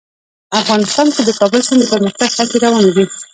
افغانستان کې د کابل سیند د پرمختګ هڅې روانې دي.